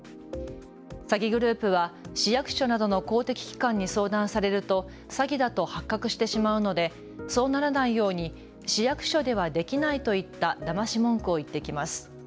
詐欺グループは市役所などの公的機関に相談されると詐欺だと発覚してしまうのでそうならないように市役所ではできないといっただまし文句を言ってきます。